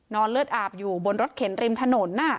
เลือดอาบอยู่บนรถเข็นริมถนน